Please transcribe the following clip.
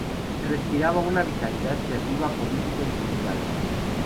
Se respiraba una vitalidad creativa, política y cultural.